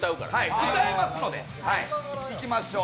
歌えますので、いきましょう。